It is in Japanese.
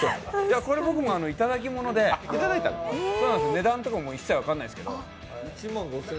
これ僕もいただきもので、値段とかは一切分からないですけど。